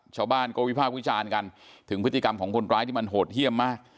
ชาวบ้านก็วิพากษ์วิจารณ์กันถึงพฤติกรรมของคนร้ายที่มันโหดเยี่ยมมาก